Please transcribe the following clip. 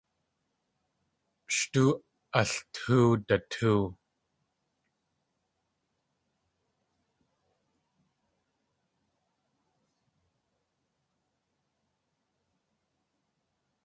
Shtóo altóow datóow.